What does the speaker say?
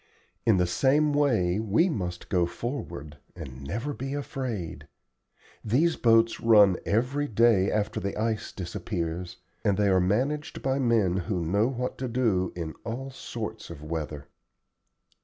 In the same way we must go forward, and never be afraid. These boats run every day after the ice disappears, and they are managed by men who know what to do in all sorts of weather."